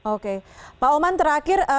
oke pak oman terakhir